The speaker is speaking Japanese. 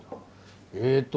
えっと